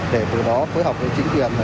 để từ đó phối hợp với chính quyền